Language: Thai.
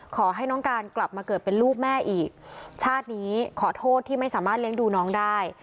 ขอให้น้องการกลับมาเกิดเป็นลูกแม่อีกชาตินี้ขอโทษที่ไม่สามารถเลี้ยงดูน้องได้